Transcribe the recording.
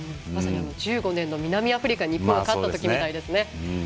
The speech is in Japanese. １５年の南アフリカに日本が勝った時みたいですね。